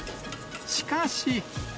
しかし。